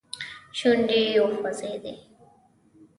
شونډې وخوځېدې.